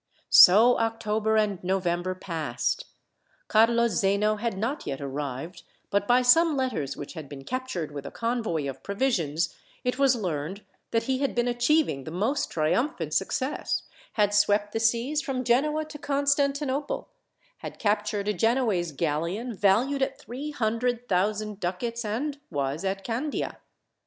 So October and November passed. Carlo Zeno had not yet arrived, but by some letters which had been captured with a convoy of provisions, it was learned that he had been achieving the most triumphant success, had swept the seas from Genoa to Constantinople, had captured a Genoese galleon valued at three hundred thousand ducats, and was at Candia.